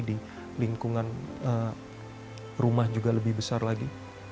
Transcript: di lingkungan rumah juga lebih besar lagi